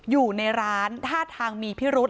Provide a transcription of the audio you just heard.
อยู่ในร้านท่าทางมีพิรุษ